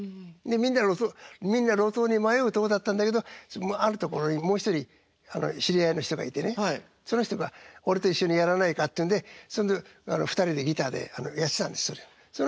でみんな路頭に迷うとこだったんだけどあるところにもう一人知り合いの人がいてねその人が「俺と一緒にやらないか」っていうんで２人でギターでやってたんですそれを。